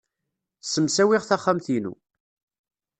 Ssemsawiɣ taxxamt-inu.